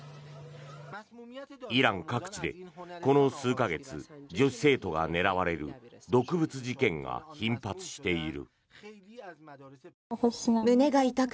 イラン各地で、この数か月女子生徒が狙われる毒物事件が頻発している。